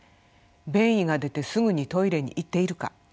便意が出てすぐにトイレに行っているか